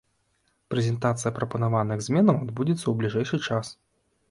Прэзентацыя прапанаваных зменаў адбудзецца ў бліжэйшы час.